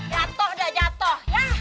jatuh dah jatuh